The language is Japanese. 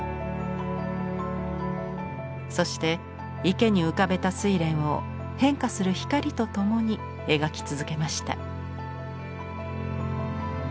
そして池に浮かべた睡蓮を変化する光とともに描き続けました。